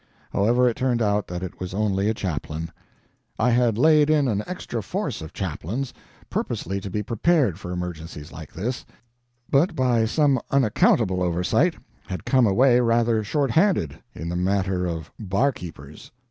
However, it turned out that it was only a chaplain. I had laid in an extra force of chaplains, purposely to be prepared for emergencies like this, but by some unaccountable oversight had come away rather short handed in the matter of barkeepers.